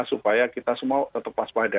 supaya kita semua tetap waspada